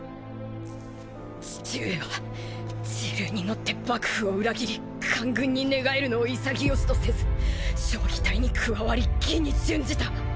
父上は時流に乗って幕府を裏切り官軍に寝返るのを潔しとせず彰義隊に加わり義に殉じた！